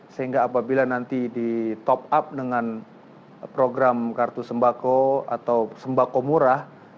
sehingga apabila nanti di top up dengan program kartu sembako atau sembako murah